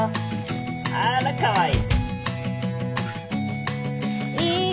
あらかわいい。